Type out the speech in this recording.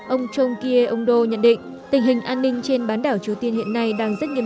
ông chong kye ongdo nhận định tình hình an ninh trên bán đảo triều tiên hiện nay đang rất nghiêm